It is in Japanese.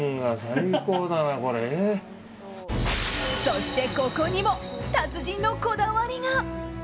そして、ここにも達人のこだわりが。